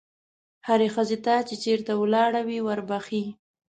هرې ښځې ته چې چېرته ولاړه وي وربښې.